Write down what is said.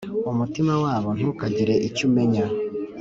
Umutima wabo ntukagire icyo umenya,